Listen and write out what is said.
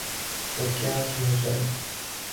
تو کیا کیا جائے؟